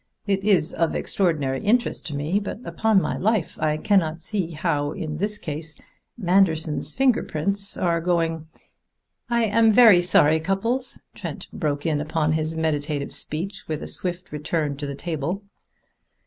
It is of extraordinary interest to me, but upon my life I cannot see how in this case Manderson's finger prints are going " "I am very sorry, Cupples," Trent broke in upon his meditative speech with a swift return to the table.